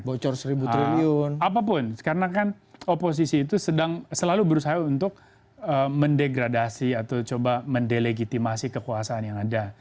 bocor seribu triliun apapun karena kan oposisi itu selalu berusaha untuk mendegradasi atau coba mendelegitimasi kekuasaan yang ada